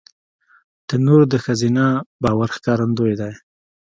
تنور د ښځینه باور ښکارندوی دی